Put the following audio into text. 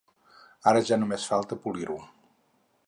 Ara ja només falta polir-ho.